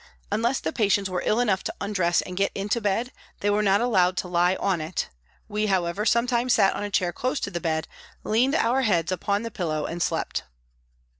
Unless the patients were ill enough to undress and get into bed, they were not allowed to lie on it, we, however, sometimes sat on a chair close to the bed, leaned our heads upon the pillow and slept.